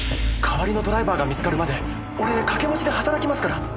代わりのドライバーが見つかるまで俺掛け持ちで働きますから！